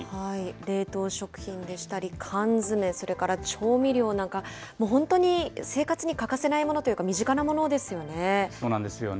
冷凍食品でしたり、缶詰、それから調味料なんか、もう本当に生活に欠かせないものというか、身近なものですよね。